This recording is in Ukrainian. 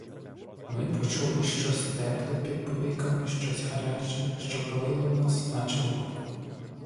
Ми почули щось тепле під повіками, щось гаряче, що палило нас, наче вогонь.